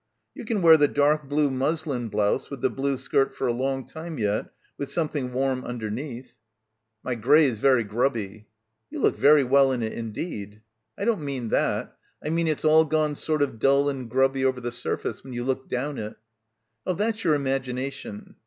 "You can wear the dark blue muslin blouse with the blue skirt for a long time yet with some thing warm underneath." "My grey's very grubby." "You look very well in it indeed." "I don't mean that. I mean it's all gone sort of dull and grubby over the surface when you look down it." "Oh, that's your imagination."